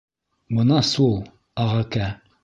Бына сул, ағакә.